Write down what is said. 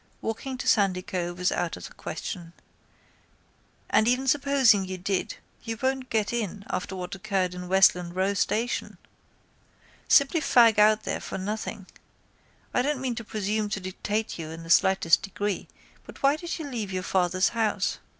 Walking to Sandycove is out of the question. And even supposing you did you won't get in after what occurred at Westland Row station. Simply fag out there for nothing. I don't mean to presume to dictate to you in the slightest degree but why did you leave your father's house?